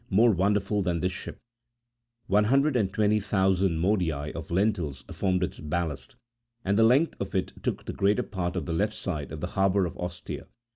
more wonderful than this ship : one hundred and twenty thou sand modii of lentils formed its ballast ; and the length of it took up the greater part of the left side of the harbour at Ostia.